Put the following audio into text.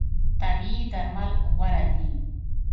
طبیعي درمل غوره دي.